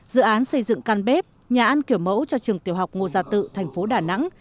dự án xây dựng căn bếp nhà ăn kiểu mẫu cho trường tiểu học ngô gia tự thành phố đà nẵng